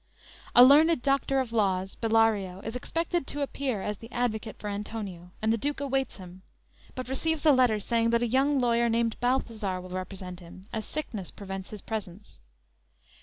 "_ A learned doctor of laws, Bellario, is expected to appear as the advocate for Antonio, and the Duke awaits him; but receives a letter saying that a young lawyer named Balthazar will represent him, as sickness prevents his presence.